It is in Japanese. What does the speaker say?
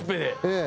ええ。